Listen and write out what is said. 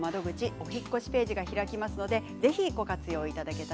お引っ越しページが開きますのでぜひ、ご活用ください。